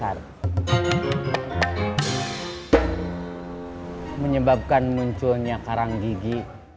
dan juga menyebabkan munculnya karang gigi